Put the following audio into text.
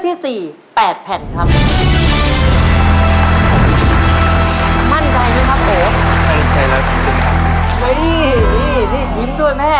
นี่ฮิ้มด้วยแม่